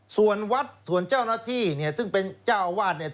ส่วนวัดส่วนเจ้าหน้าที่ซึ่งเป็นเจ้าอาวาส